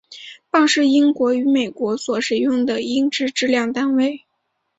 磅是英国与美国所使用的英制质量单位。